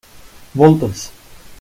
Moltes.